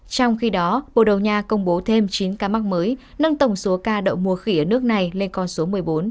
trong khi đó bồ đầu nha công bố thêm chín ca mắc mới nâng tổng số ca đậu mùa khỉ ở nước này lên con số một mươi bốn